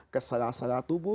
ke salah salah tubuh